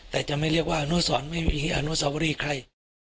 แต่จะไม่เรียกว่าอนุสรไม่มีอนุสาวรีใคร